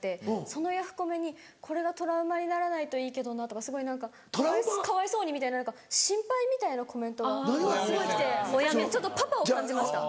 そのヤフコメに「これがトラウマにならないといいけどな」とかすごい何か「かわいそうに」みたいな。心配みたいなコメントがすごい来て確かにちょっとパパを感じました。